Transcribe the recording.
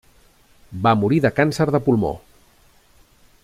Va morir de càncer de pulmó.